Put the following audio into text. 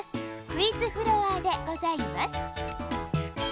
クイズフロアでございます。